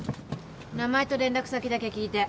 名前と連絡先だけ聞いて。